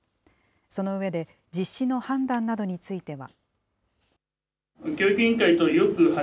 その上で、実施の判断などについては。